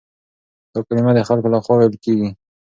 دا کلمه د خلکو له خوا ويل کېږي.